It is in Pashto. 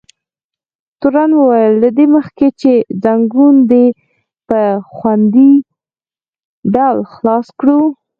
تورن وویل: له دې مخکې چې ځنګون دې په خوندي ډول خلاص کړو.